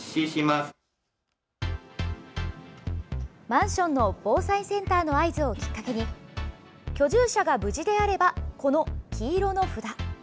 マンションの防災センターの合図をきっかけに居住者が無事であればこの黄色の札。